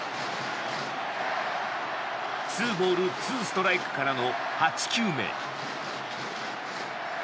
ツーボールツーストライクからの８球目。